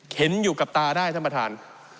เห็นอยู่กับตาได้ท่านประธาน